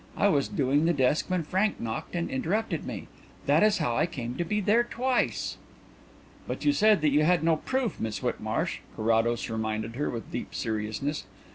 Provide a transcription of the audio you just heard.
I was doing the desk when Frank knocked and interrupted me. That is how I came to be there twice." "But you said that you had no proof, Miss Whitmarsh," Carrados reminded her, with deep seriousness.